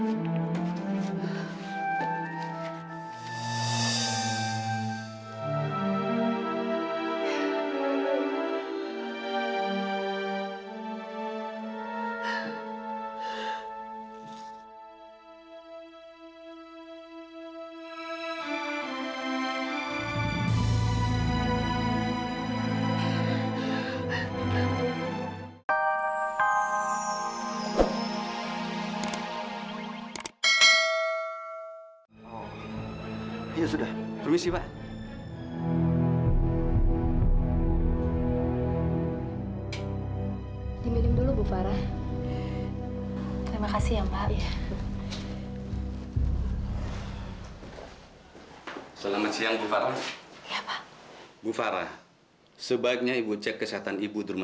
sampai jumpa di video selanjutnya